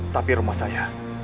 tapi rumah saya